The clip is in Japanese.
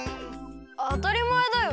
あたりまえだよ。